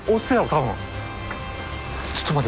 ちょっと待って。